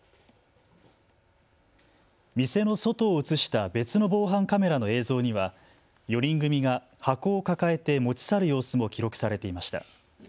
店の外を写した別の防犯カメラの映像には４人組が箱を抱えて持ち去る様子も記録されていました。